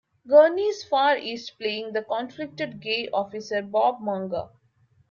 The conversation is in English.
Gurney's "Far East", playing the conflicted gay officer Bob Munger.